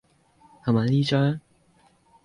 係咪呢張？